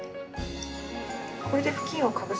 これで布巾をかぶせて。